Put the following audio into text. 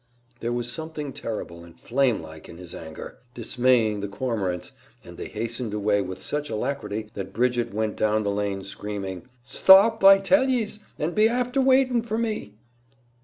There was something terrible and flame like in his anger, dismaying the cormorants, and they hastened away with such alacrity that Bridget went down the lane screaming, "Sthop, I tell yees, and be afther waitin' for me!"